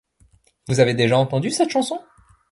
Vous avez déjà entendu cette chanson ?